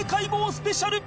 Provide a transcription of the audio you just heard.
スペシャル